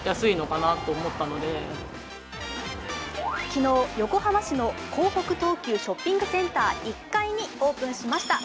昨日、横浜市の港北東急ショッピングセンター１階にオープンしました。